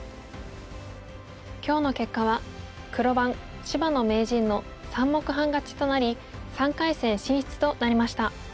今日の結果は黒番芝野名人の３目半勝ちとなり３回戦進出となりました。